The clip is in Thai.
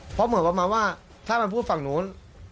เพราะเหมือนประมาณว่าถ้ามันพูดฝั่งนู้น